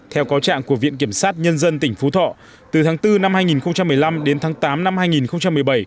theo cáo trạng của viện kiểm sát nhân dân tỉnh phú thọ từ tháng bốn năm hai nghìn một mươi năm đến tháng tám năm hai nghìn một mươi bảy